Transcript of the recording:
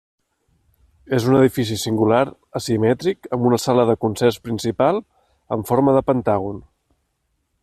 És un edifici singular, asimètric, amb una sala de concerts principal en forma de pentàgon.